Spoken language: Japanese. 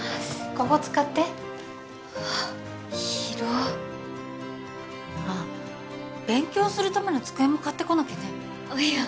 ここ使ってあっ広っあっ勉強するための机も買ってこなきゃねいや